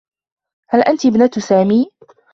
هل أنتِ ابنة سامي؟